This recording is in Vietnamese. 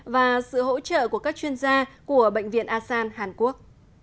và sự hỗ trợ của các chuyên gia của bệnh viện asan hàn quốc